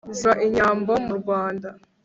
ziba inyambo mu rwanda